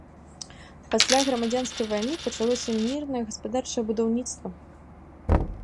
Пасля грамадзянскай вайны пачалося мірнае гаспадарчае будаўніцтва.